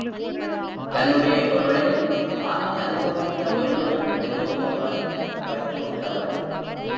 தன்னுடைய பொருளைத் தானே அனுபவிக்க வேண்டுமென்று விரும்புபவன் பற்று உள்ளவன்.